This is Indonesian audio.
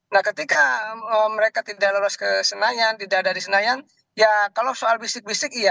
nah ketika mereka tidak lolos ke senayan tidak ada di senayan ya kalau soal bisik bisik iya